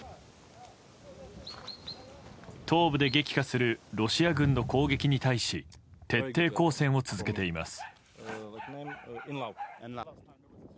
東部で激化するロシア軍の攻撃に対し徹底抗戦を続けています。